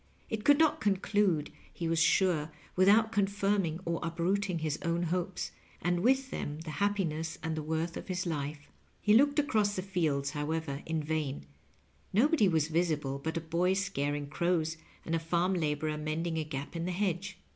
It could not conclude^ he was sure, without confirming or uprooting his own hopes, and with them the happiness and the worth of his life« He looked across the fields, however, in vain, K'obodj was visible but a boy scaring crows, and a farm laborer mending a gap in the hedge.